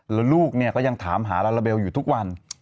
แล้วลูกก็ยังถามหาราเบลอยู่ทุกวัน